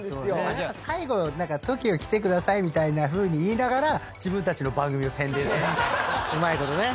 最後何か「ＴＯＫＩＯ来てください」みたいなふうに言いながら自分たちの番組を宣伝するみたいな。